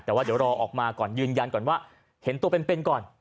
แต่ว่าเดี๋ยวรอออกมาก่อนยืนยันก่อนว่าเห็นตัวเป็นก่อน